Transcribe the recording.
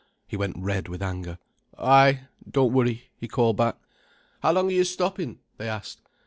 He went red with anger. "Ay—don't worry," he called back. "How long are yer stoppin'?" they asked.